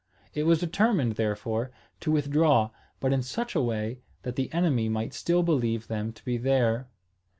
It was determined, therefore, to withdraw, but in such a way that the enemy might still believe them to be there.